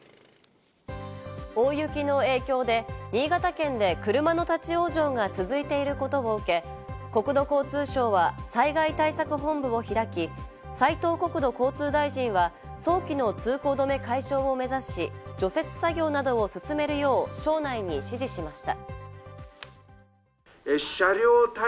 大雪の影響で新潟県で車の立ち往生が続いていることを受け、国土交通省は災害対策本部を開き、斉藤国土交通大臣は早期の通行止め解消を目指し、除雪作業などを進めるよう省内に指示しました。